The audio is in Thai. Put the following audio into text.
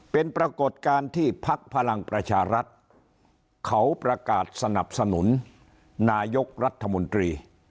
เป็นปรากฏการณ์ที่พักพลังประชารัฐเขาประกาศสนับสนุนนายกรัฐมนตรี